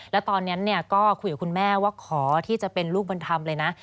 แล้วตอนนี้ก็คุยกับคุณแม่ว่าขอที่จะเป็นลูกบุญธรรมเลยนะ